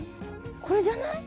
これじゃない？